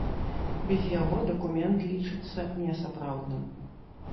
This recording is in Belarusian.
Без яго дакумент лічыцца несапраўдным.